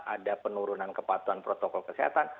ada penurunan kepatuhan protokol kesehatan